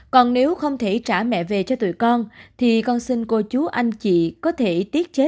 còn nếu không thể trả mẹ về cho tụi con thì con xin cô chú anh chị có thể tiếc cho mẹ con